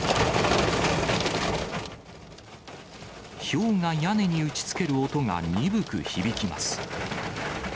ひょうが屋根に打ちつける音が鈍く響きます。